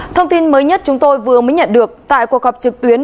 thông tin mới nhất chúng tôi vừa mới nhận được tại cuộc họp trực tuyến